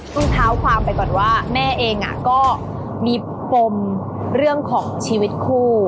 ต้องเท้าความไปก่อนว่าแม่เองก็มีปมเรื่องของชีวิตคู่